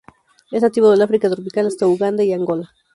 Es nativo del África tropical hasta Uganda y Angola.